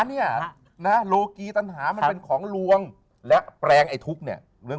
เนี่ยนะโลกีตัญหามันเป็นของลวงและแปลงไอ้ทุกข์เนี่ยเรื่อง